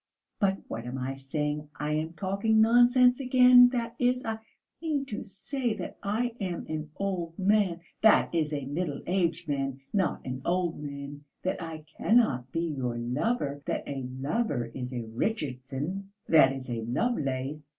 But what am I saying? I am talking nonsense again; that is, I mean to say that I am an old man that is, a middle aged man, not an old man; that I cannot be your lover; that a lover is a Richardson that is, a Lovelace....